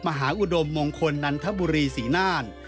มหาอุดมมงคลนันทบุรีศรีน่าน